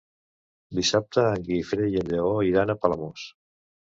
Dissabte en Guifré i en Lleó iran a Palamós.